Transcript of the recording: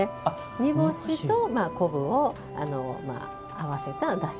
煮干しと昆布を合わせた、だし。